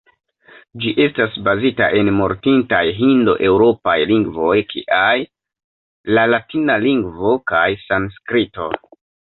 Ĝi estas bazita en mortintaj hindo-eŭropaj lingvoj kiaj la latina lingvo kaj sanskrito.